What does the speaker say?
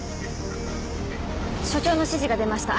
署長の指示が出ました。